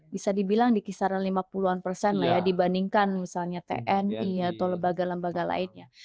bisa dibilang di kisaran lima puluh an persen lah ya dibandingkan misalnya tni atau lembaga lembaga lainnya